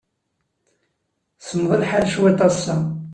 Semmeḍ lḥal cwiṭ ass-a.